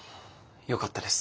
よかったです。